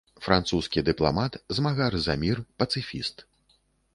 Французскі дыпламат, змагар за мір, пацыфіст.